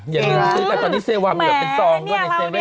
อย่าลืมซื้อไปตอนนี้เซวามีแบบเป็นซองด้วยในซองด้วย